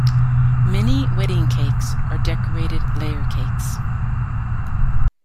Many wedding cakes are decorated layer cakes.